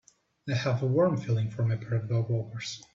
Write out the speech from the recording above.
I have a warm feeling for my pair of dogwalkers.